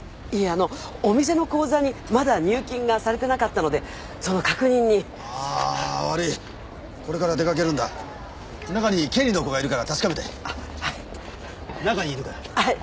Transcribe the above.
あのお店の口座にまだ入金がされてなかったのでその確認にああ悪いこれから出かけるんだ中に経理の子がいるから確かめてあっはい中にいるからあっ